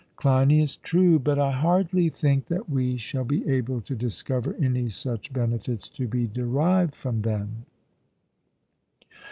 CLEINIAS: True; but I hardly think that we shall be able to discover any such benefits to be derived from them.